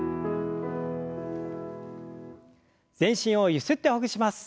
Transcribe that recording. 全身をゆすってほぐします。